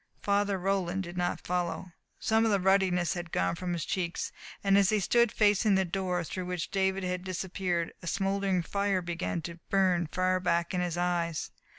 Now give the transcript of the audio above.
Father Roland did not follow. Some of the ruddiness had gone from his cheeks, and as he stood facing the door through which David had disappeared a smouldering fire began to burn far back in his eyes.